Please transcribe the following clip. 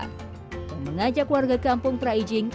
untuk mengajak warga kampung praijing